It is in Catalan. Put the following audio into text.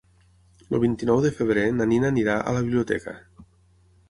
El vint-i-nou de febrer na Nina anirà a la biblioteca.